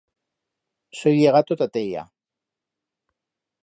Soi llegato ta Tella.